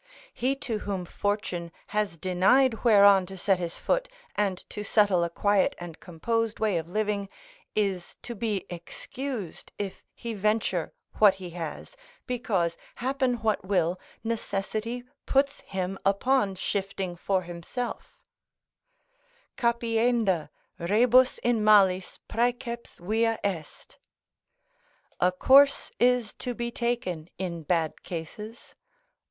He to whom fortune has denied whereon to set his foot, and to settle a quiet and composed way of living, is to be excused if he venture what he has, because, happen what will, necessity puts him upon shifting for himself: "Capienda rebus in malis praeceps via est:" ["A course is to be taken in bad cases."